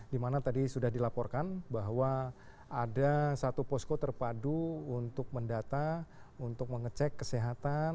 dimana tadi sudah dilaporkan bahwa ada satu posko terpadu untuk mendata untuk mengecek kesehatan